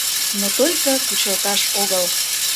Но только кучалташ огыл.